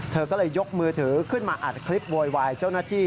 เธอก็เลยยกมือถือขึ้นมาอัดคลิปโวยวายเจ้าหน้าที่